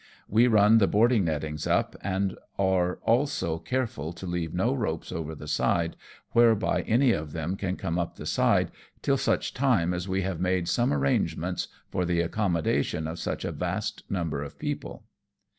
We run the boarding nettings up, and are also careful to leave no ropes over the side, whereby any of them can come up the side till such time as we have made some arrangements for the accommodation of such a vast number of people.